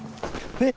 えっ？